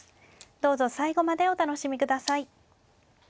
どうぞ最後までお楽しみ下さい。